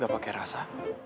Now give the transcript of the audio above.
gak pake rasa